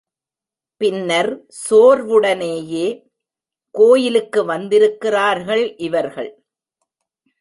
பின்னர் சோர்வுடனேயே கோயிலுக்கு வந்திருக்கிறார்கள் இவர்கள்.